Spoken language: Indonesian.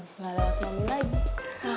gak ada waktu mami lagi